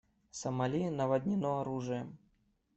Сомали наводнено оружием.